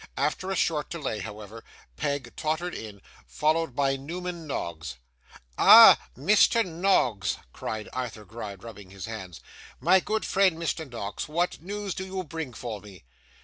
After a short delay, however, Peg tottered in, followed by Newman Noggs. 'Ah! Mr. Noggs!' cried Arthur Gride, rubbing his hands. 'My good friend, Mr. Noggs, what news do you bring for me?